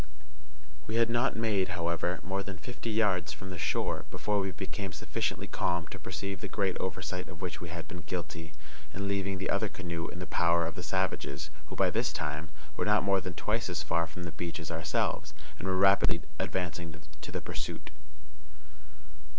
We had not made, however, more than fifty yards from the shore before we became sufficiently calm to perceive the great oversight of which we had been guilty in leaving the other canoe in the power of the savages, who, by this time, were not more than twice as far from the beach as ourselves, and were rapidly advancing to the pursuit.